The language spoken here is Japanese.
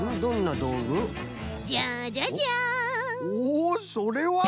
おおそれは！